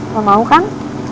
lo mau kan